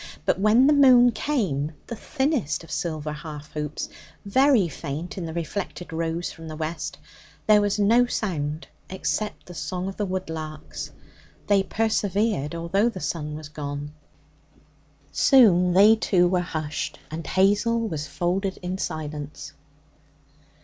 But when the moon came the thinnest of silver half hoops, very faint in the reflected rose from the west there was no sound except the song of the wood larks. They persevered, although the sun was gone. Soon they, too, were hushed, and Hazel was folded in silence.